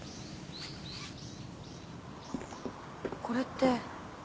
これって。